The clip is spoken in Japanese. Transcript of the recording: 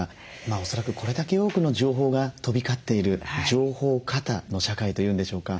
恐らくこれだけ多くの情報が飛び交っている情報過多の社会というんでしょうか。